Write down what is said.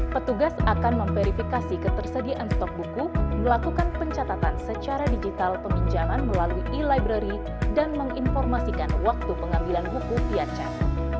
petugas akan memverifikasi ketersediaan stok buku melakukan pencatatan secara digital peminjaman melalui e library dan menginformasikan waktu pengambilan buku piance